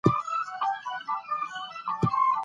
کيڼ لاس، کوڼ سړی، کڼه ښځه، رڼې اوبه، رڼا، شکوڼ